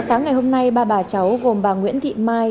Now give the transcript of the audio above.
sáng ngày hôm nay ba bà cháu gồm bà nguyễn thị mai